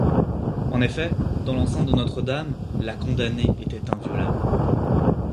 En effet, dans l'enceinte de Notre-Dame, la condamnée était inviolable.